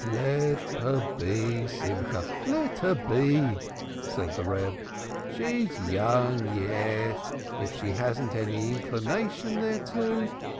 "Let her be, Simcha, let her be," said the Reb. "She is young yet. If she hasn't any inclination thereto